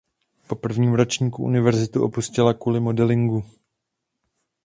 Po prvním ročníku univerzitu opustila kvůli modelingu.